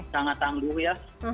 sangat tangguh ya